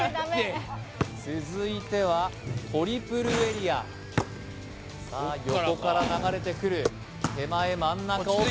続いてはトリプルエリアさあ横から流れてくる手前真ん中奥